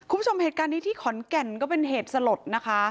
คุณผู้ชมเหตุการณ์นี้ที่ขอนแก่นก็เป็นเหตุสลดนะคะ